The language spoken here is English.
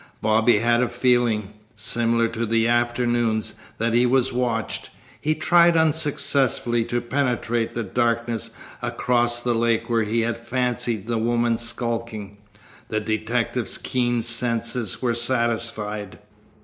Bobby had a feeling, similar to the afternoon's, that he was watched. He tried unsuccessfully to penetrate the darkness across the lake where he had fancied the woman skulking. The detective's keen senses were satisfied.